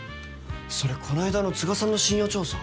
それこの間の都賀さんの信用調査？